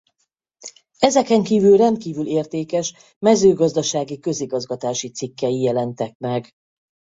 Ezeken kívül rendkívül értékes mezőgazdasági-közigazgatási cikkei jelentek meg.